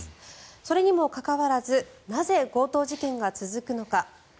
それにもかかわらずなぜ、強盗事件が続くのか。